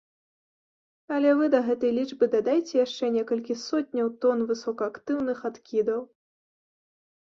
Але вы да гэтай лічбы дадайце яшчэ некалькі сотняў тон высокаактыўных адкідаў.